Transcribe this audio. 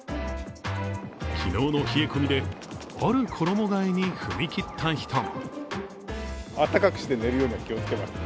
昨日の冷え込みである衣がえに踏み切った人も。